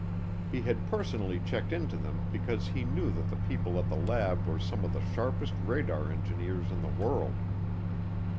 He had personally checked into them because he knew that the people at the lab were some of the sharpest radar engineers in the world.